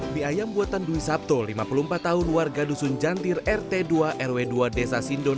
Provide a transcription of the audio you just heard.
mie ayam buatan dwi sabto lima puluh empat tahun warga dusun jantir rt dua rw dua desa sindon